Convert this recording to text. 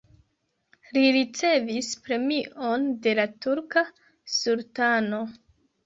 Li ricevis premion de la turka sultano.